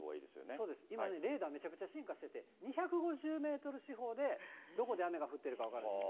そうです、今レーダーめちゃくちゃ進化していて、２５０メートル四方で、どこで雨が降ってるか分かるんです。